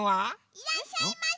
いらっしゃいませ！